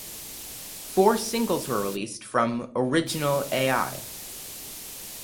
Four singles were released from "Original Ai".